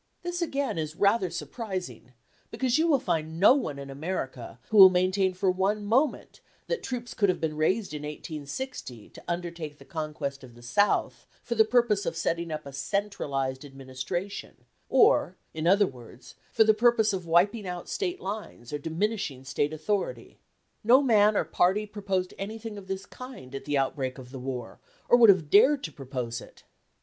This again is rather surprising, because you will find no one in America who will maintain for one moment that troops could have been raised in 1860 to undertake the conquest of the South for the purpose of setting up a centralized administration, or, in other words, for the purpose of wiping out State lines, or diminishing State authority. No man or party proposed anything of this kind at the outbreak of the war, or would have dared to propose it.